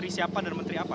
siapa dan menteri apa